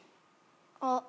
あっ。